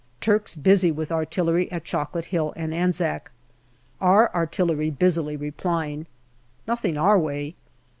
Turks busy with artillery at Chocolate Hill and Anzac. Our artillery busily replying. Nothing our way.